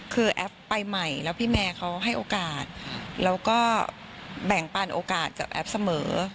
คือแอฟไปใหม่แล้วพี่แมร์เขาให้โอกาสแล้วก็แบ่งปันโอกาสกับแอฟเสมอ